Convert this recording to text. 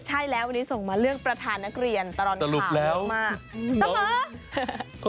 ใช่แล้ววันนี้ส่งมาเลือกประธานนักเรียนตลอดเสมอ